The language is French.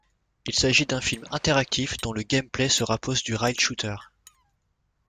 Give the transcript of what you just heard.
Il s'agit d'un film interactif dont le gameplay se rapproche du rail shooter.